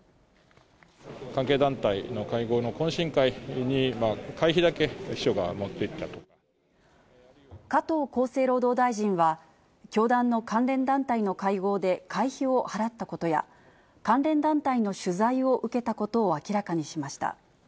関係団体の会合の懇親会に会加藤厚生労働大臣は、教団の関連団体の会合で会費を払ったことや、関連団体の取材を受けたことを明らかにしました。